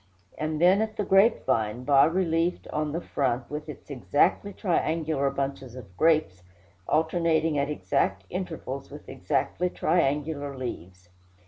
and then at the grapevine, bas relieved on the front, with its exactly triangular bunches of grapes, alternating at exact intervals with exactly triangular leaves.